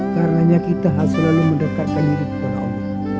karena kita harus selalu mendekatkan diri kepada allah